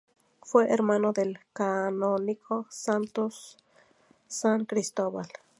Fue hermano del canónigo Santos San Cristóbal.